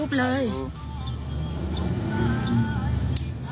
นี่เป็นคลิปวีดีโอจากคุณบอดี้บอยสว่างอร่อย